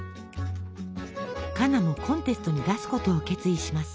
カナもコンテストに出すことを決意します。